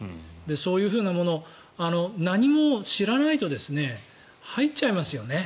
そういうものを何も知らないと入っちゃいますよね。